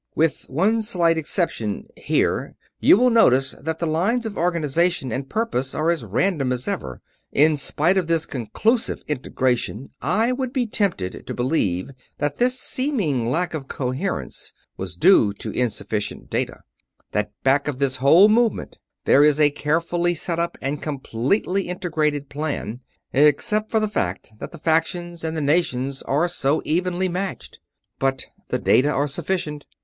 With one slight exception here you will notice that the lines of organization and purpose are as random as ever. In spite of this conclusive integration I would be tempted to believe that this seeming lack of coherence was due to insufficient data that back of this whole movement there is a carefully set up and completely integrated plan except for the fact that the factions and the nations are so evenly matched. But the data are sufficient.